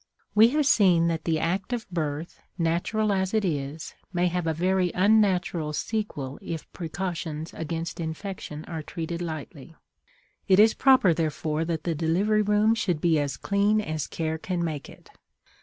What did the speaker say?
We have seen that the act of birth, natural as it is, may have a very unnatural sequel if precautions against infection are treated lightly. It is proper, therefore, that the delivery room should be as clean as care can make it.